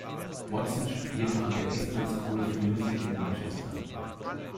Watson studierte an der Eastman School of Music in Rochester.